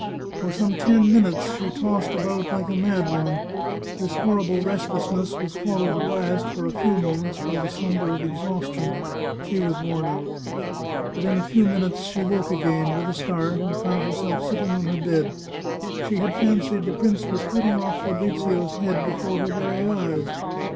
For some ten minutes she tossed about like a mad woman; this horrible restlessness was followed at last, for a few moments, by the slumber of exhaustion; she was worn out. But in a few minutes she woke again, with a start, and found herself sitting on her bed. She had fancied the prince was cutting off Fabrizio's head before her very eyes.